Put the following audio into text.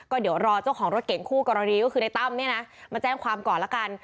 ก็เดี๋ยวรอเจ้าของรถเก่งคู่กรณีก็คือในตั้มเนี่ยนะมาแจ้งความก่อนละกัน